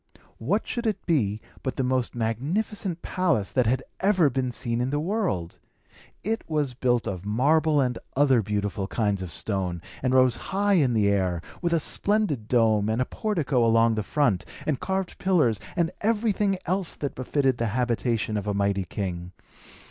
What should it be but the most magnificent palace that had ever been seen in the world? It was built of marble and other beautiful kinds of stone, and rose high into the air, with a splendid dome and a portico along the front, and carved pillars, and everything else that befitted the habitation of a mighty king.